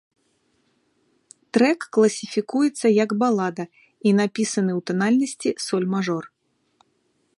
Трэк класіфікуецца як балада і напісаны ў танальнасці соль мажор.